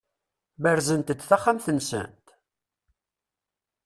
Berzent-d taxxamt-nsent?